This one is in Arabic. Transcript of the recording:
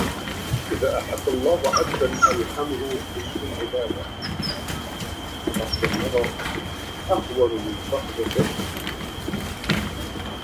إذا أحب الله عبًدا ألهمه حسن العبادة فقد النظر أهون من فقد الرؤية.